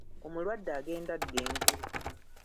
Omulwadde agenda adda engulu.